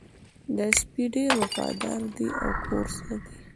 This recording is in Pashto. دا سپی ډېر وفادار ده او کور ساتي